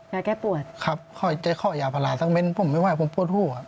ยาแก้ปวดครับใจข้อยาพลาดตั้งเป็นผมไม่ไหวผมปวดหู้อะ